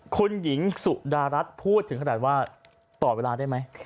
คุณหญิงสุดารัฐพูดถึงขนาดว่าต่อเวลาได้ไหม